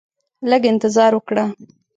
لږ انتظار وکړه